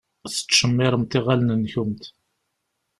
Tettcemmiṛemt iɣallen-nkent.